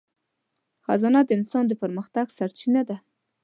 خزانه د انسان د پرمختګ سرچینه ده.